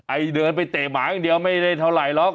เดินไปเตะหมาอย่างเดียวไม่ได้เท่าไหร่หรอก